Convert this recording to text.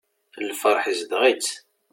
Lferḥ izdeɣ-itt.